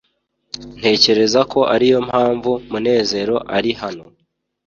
ntekereza ko ariyo mpamvu munezero ari hano